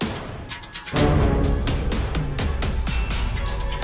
maksudnya kita harus bawa arti bagi canggih pohon juga